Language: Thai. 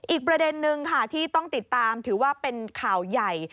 อีกประเด็นนึงค่ะที่ต้องติดตามถือว่าเป็นข่าวใหญ่